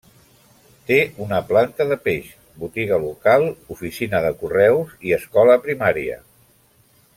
Té una planta de peix, botiga local, oficina de correus i escola primària.